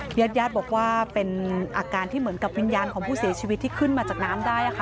ญาติญาติบอกว่าเป็นอาการที่เหมือนกับวิญญาณของผู้เสียชีวิตที่ขึ้นมาจากน้ำได้